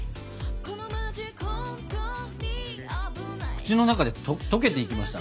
口の中で溶けていきました。